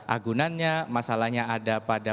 agunannya masalahnya ada pada